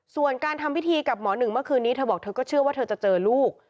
ส่วนการทำพิธีกับหมอหนึ่งเมื่อคืนนี้เธอบอกเธอก็เชื่อว่าเธอจะเจอลูก